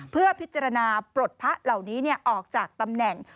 เพื่อพิจารณาปลดพระเหล่านี้ออกจากตำแหน่ง